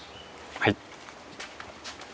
はい。